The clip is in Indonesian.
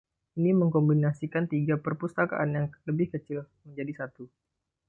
Ini mengombinasikan tiga perpustakaan yang lebih kecil menjadi satu.